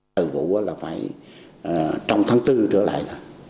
mùa vụ là phải trong tháng bốn trở lại